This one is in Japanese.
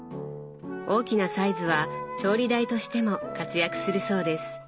大きなサイズは調理台としても活躍するそうです。